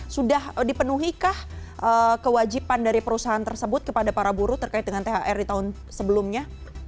sudah dipenuhikah kewajiban dari perusahaan tersebut kepada para buruh terkait dengan thr di tahun sebelumnya